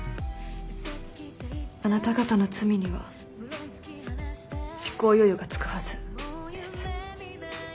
あなた方の罪には執行猶予が付くはずです。